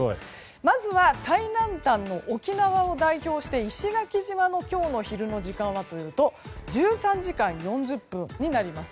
まずは、最南端の沖縄を代表して石垣島の今日の昼の時間はというと１３時間４０分になります。